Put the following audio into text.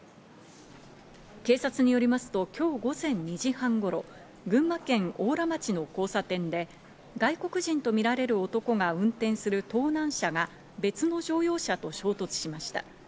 警察によりますと今日午前２時半頃、群馬県邑楽町の交差点で外国人とみられる男が運転する盗難車が別の乗用車と衝突しました。